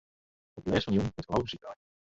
Op it lêst fan 'e jûn wurdt housemuzyk draaid.